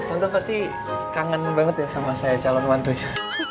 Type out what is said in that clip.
tante pasti kangen banget ya sama saya calon mantunya